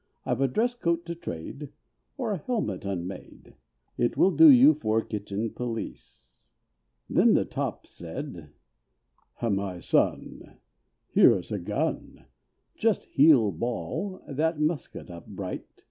I've a dress coat to trade, or a helmet unmade, It will do you for kitchen police." Then the top said, "My Son, here is a gun, Just heel ball that musket up bright.